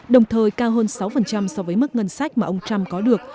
đồng thời cao hơn sáu so với mức ngân sách mà ông trump có được